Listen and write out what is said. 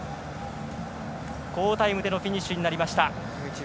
好タイムでのフィニッシュでした。